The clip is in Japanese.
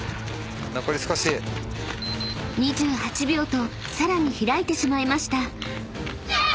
［２８秒とさらに開いてしまいました］